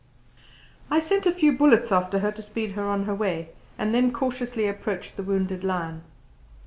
I sent a few bullets after her to speed her on her way, and then cautiously approached the wounded lion.